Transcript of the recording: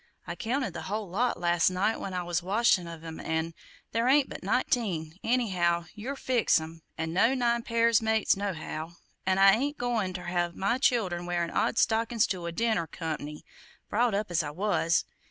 I counted the whole lot last night when I was washin' of 'em, an' there ain't but nineteen anyhow yer fix 'em, an' no nine pairs mates nohow; an' I ain't goin' ter have my childern wear odd stockin's to a dinner comp'ny, brought up as I was!